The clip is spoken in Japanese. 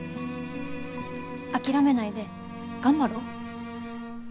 諦めないで頑張ろう。